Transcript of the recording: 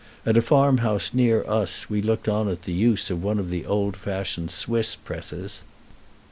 At a farm house near us we looked on at the use of one of the old fashioned Swiss presses.